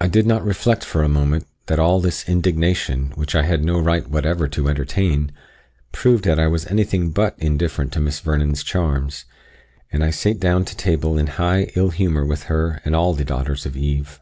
I did not reflect for a moment, that all this indignation, which I had no right whatever to entertain, proved that I was anything but indifferent to Miss Vernon's charms; and I sate down to table in high ill humour with her and all the daughters of Eve.